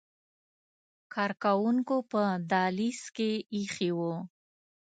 کارکوونکو په دهلیز کې ایښي وو.